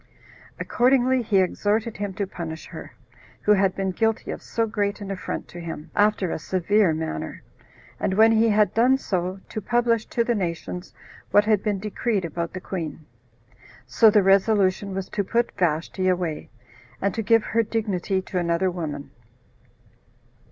Accordingly, he exhorted him to punish her, who had been guilty of so great an affront to him, after a severe manner; and when he had so done, to publish to the nations what had been decreed about the queen. So the resolution was to put Vashti away, and to give her dignity to another woman.